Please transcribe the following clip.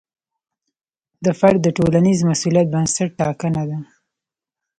د فرد د ټولنیز مسوولیت بنسټ ټاکنه ده.